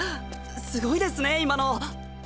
すごいですね今の。